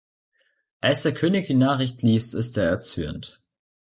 Als der König die Nachricht liest, ist er erzürnt.